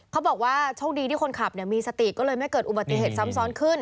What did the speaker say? เขาบอกว่าโชคดีที่คนขับมีสติก็เลยไม่เกิดอุบัติเหตุซ้ำซ้อนขึ้น